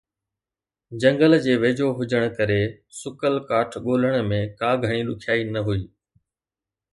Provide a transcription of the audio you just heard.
جنگل جي ويجهو هجڻ ڪري سڪل ڪاٺ ڳولڻ ۾ ڪا گهڻي ڏکيائي نه هئي